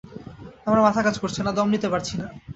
আমার মাথা কাজ করছে না, দম নিতে পারছি না।